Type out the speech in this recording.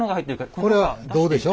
これは胴でしょ？